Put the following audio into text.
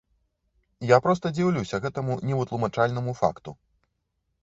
Я проста дзіўлюся гэтаму невытлумачальнаму факту.